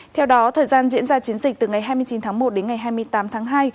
theo đó thời gian diễn ra chiến dịch từ ngày hai mươi chín tháng một đến ngày hai mươi tám tháng hai